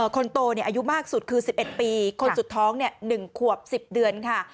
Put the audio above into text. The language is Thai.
คนโตอายุมากสุดคือ๑๑ปีคนสุดท้อง๑ขวบ๑๐เดือนค่ะ